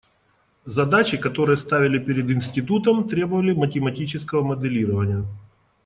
Задачи, которые ставили перед институтом, требовали математического моделирования.